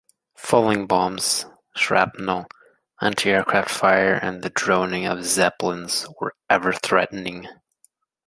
Falling bombs, shrapnel, anti-aircraft fire and the droning of Zeppelins were ever threatening.